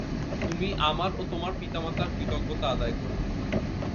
তুমি আমার ও তোমার পিতামাতার কৃতজ্ঞতা আদায় কর।